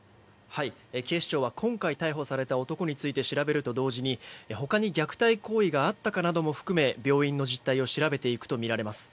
警視庁は今回逮捕された男について調べると同時に、他に虐待行為があったかなども含め病院の実態を調べていくとみられます。